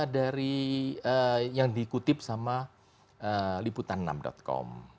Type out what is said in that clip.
dari yang dikutip sama liputan enam com